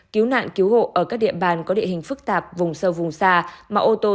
cứu nạn cứu hộ ở các địa bàn có địa hình phức tạp vùng sâu vùng xa mạng ô tô